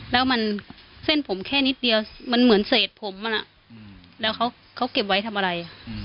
แล้วมันเส้นผมแค่นิดเดียวมันเหมือนเศษผมมันแล้วเขาเก็บไว้ทำอะไร